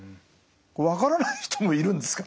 分からない人もいるんですか？